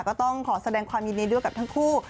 ก็ต้องขอแสดงความยินดีด้วยกับทั้งคู่